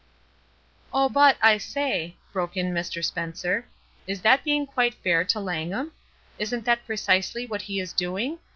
"Oh, but, I say," broke in Mr. Spencer, "is that being quite fair to Langham? Isn't that precisely what he is doing?